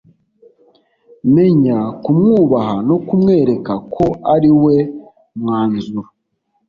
Menya kumwubaha no kumwereka ko ari we mwanzuro